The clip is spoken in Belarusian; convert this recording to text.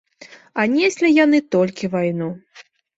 А неслі яны толькі вайну.